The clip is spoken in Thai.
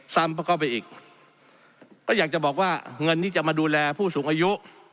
เข้าไปอีกก็อยากจะบอกว่าเงินที่จะมาดูแลผู้สูงอายุ